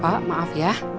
pak maaf ya